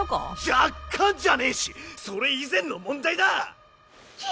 若干じゃねぇしそれ以前の問題だ！